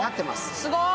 すごい。